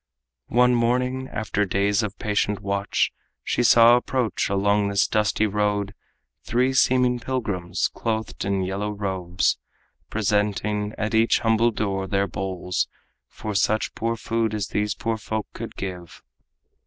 One morning, after days of patient watch, She saw approach along this dusty road Three seeming pilgrims, clothed in yellow robes, Presenting at each humble door their bowls For such poor food as these poor folk could give.